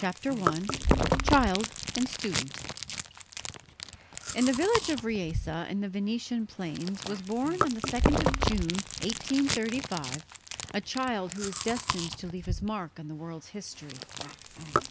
THE POPE OF PEACE I CHILD AND STUDENT In the village of Riese in the Venetian plains was born on the 2nd of June, 1835, a child who was destined to leave his mark on the world's history.